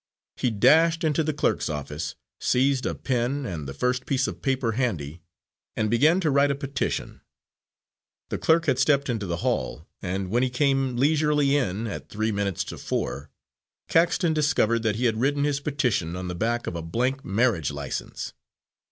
He dashed into the clerk's office, seized a pen, and the first piece of paper handy, and began to write a petition. The clerk had stepped into the hall, and when he came leisurely in at three minutes to four, Caxton discovered that he had written his petition on the back of a blank marriage license.